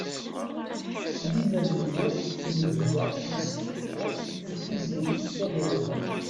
Sliman U Muḥ yebda yeskikiḍ i Tiziri Tagawawt.